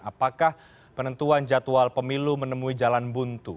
apakah penentuan jadwal pemilu menemui jalan buntu